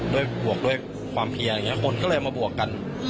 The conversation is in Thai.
ด้วยบวกด้วยความเพลียคนก็เลยมาบวกกัน